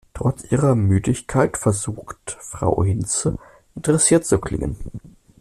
Trotz ihrer Müdigkeit versucht Frau Hinze, interessiert zu klingen.